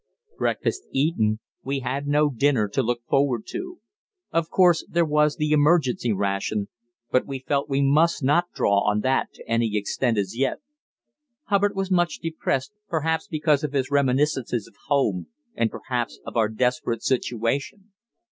Breakfast eaten, we had no dinner to look forward to. Of course there was the "emergency ration," but we felt we must not draw on that to any extent as yet. Hubbard was much depressed, perhaps because of his reminiscences of home and perhaps because of our desperate situation.